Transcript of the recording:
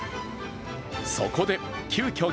そこで急きょ